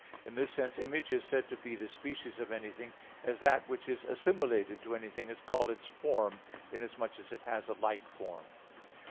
In this sense image is said to be the species of anything, as that which is assimilated to anything is called its form, inasmuch as it has a like form.